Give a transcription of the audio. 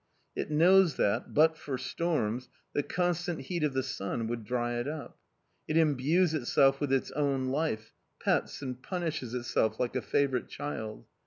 It knows that, but for storms, the constant heat of the sun would dry it up! It imbues itself with its own life pets and punishes itself like a favourite child.